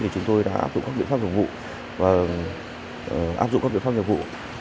chúng tôi đã áp dụng các biện pháp dụng vụ